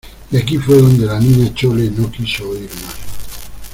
y aquí fué donde la Niña Chole no quiso oír más: